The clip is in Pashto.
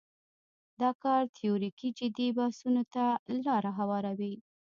دا کار تیوریکي جدي بحثونو ته لاره هواروي.